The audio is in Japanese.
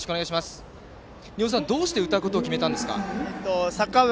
におうさん、どうして歌うことを決めたんですか。